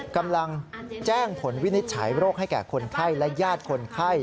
กำลังแจ้งผลวินิจฉัยโรคให้แก่คนไข้และญาติคนไข้